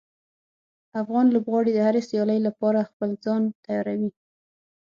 افغان لوبغاړي د هرې سیالۍ لپاره خپل ځان تیاروي.